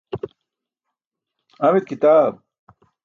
amit kitaab?